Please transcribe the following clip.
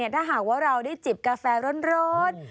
ถ้าหากว่าเราได้จิบกาแฟร้อน